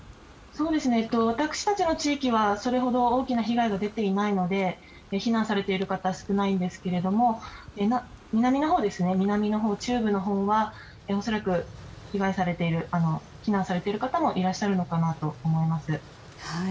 私たちの地域はそれほど大きな被害は出ていないので避難されている方少ないんですけれども南のほう、中部のほうは恐らく、避難されている方もいらっしゃるのかなと思います。